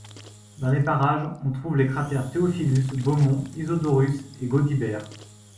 Dans les parages on trouve les cratères Theophilus, Beaumont, Isidorus et Gaudibert.